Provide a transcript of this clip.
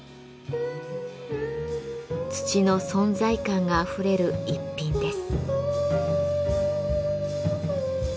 土の存在感があふれる一品です。